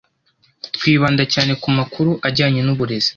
Twibanda cyane ku makuru ajyanye n’uburezi